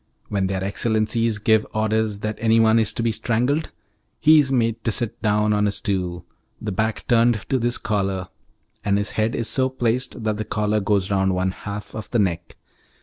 When their excellencies give orders that anyone is to be strangled, he is made to sit down on a stool, the back turned to this collar, and his head is so placed that the collar goes round one half of the neck.